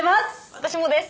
私もです